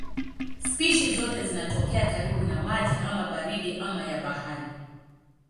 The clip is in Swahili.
Spishi zote zinatokea karibu na maji ama baridi ama ya bahari.